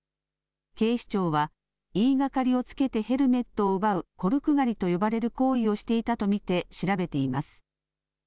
警視庁は言いがかりをつけてヘルメットを奪うコルク狩りと呼ばれる行為をしていたと見て調べています。